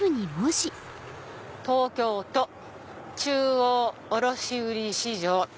「東京都中央卸売市場」。